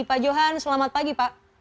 pak johan selamat pagi pak